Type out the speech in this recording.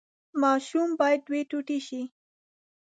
ماشوم باید دوه ټوټې شي.